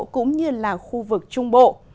cũng như là khu vực trung bộ